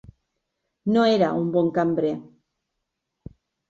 No era un bon cambrer.